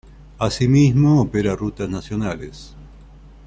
Asimismo opera rutas nacionales.